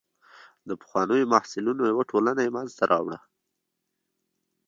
او د پخوانیو محصلینو یوه ټولنه یې منځته راوړه.